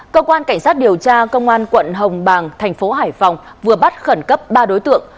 cơ quan cảnh sát điều tra công an quận hồng bàng thành phố hải phòng vừa bắt khẩn cấp ba đối tượng